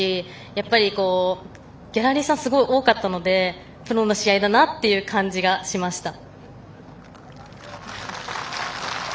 やっぱり、ギャラリーさんがすごい多かったのでプロの試合だなという感じがしました。